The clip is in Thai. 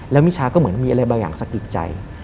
แล้วมิชาก็เหมือนมีอะไรบางอย่างสะกิดใจ